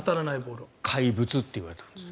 怪物って言われたんです。